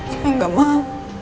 saya tidak mau